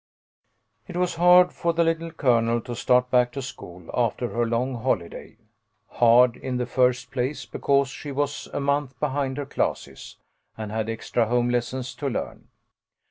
IT was hard for the Little Colonel to start back to school after her long holiday. Hard, in the first place, because she was a month behind her classes, and had extra home lessons to learn.